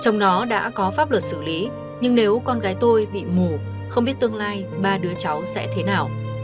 trong đó đã có pháp luật xử lý nhưng nếu con gái tôi bị mù không biết tương lai ba đứa cháu sẽ thế nào